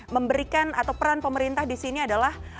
memberikan atau peran pemerintah di sini adalah